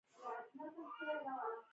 کاڼه ته ډول مه وهه